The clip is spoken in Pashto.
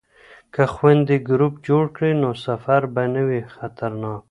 که خویندې ګروپ جوړ کړي نو سفر به نه وي خطرناک.